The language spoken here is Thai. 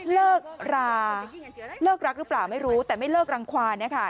เลิกราเลิกรักหรือเปล่าไม่รู้แต่ไม่เลิกรังความนะคะ